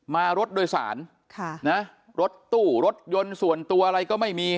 รถโดยสารรถตู้รถยนต์ส่วนตัวอะไรก็ไม่มี